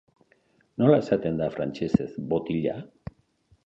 Nola esaten da frantsesez "botila"?